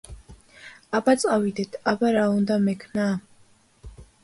აბა, წავიდეთ! აბა, რა უნდა მექნა?